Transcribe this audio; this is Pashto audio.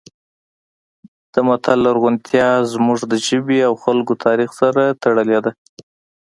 د متل لرغونتیا زموږ د ژبې او خلکو تاریخ سره تړلې ده